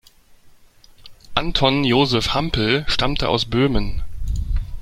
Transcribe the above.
Anton Joseph Hampel stammte aus Böhmen.